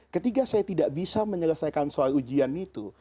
ketika saya tidak bisa menyelesaikan soal ujian itu